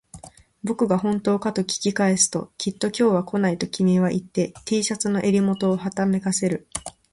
僕が本当かと聞き返すと、きっと今日は来ないと君は言って、Ｔ シャツの襟元をはためかせる